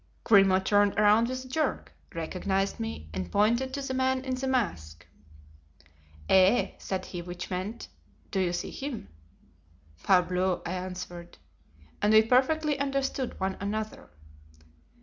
Grimaud turned round with a jerk, recognized me, and pointed to the man in the mask. 'Eh!' said he, which meant, 'Do you see him?' 'Parbleu!' I answered, and we perfectly understood one another.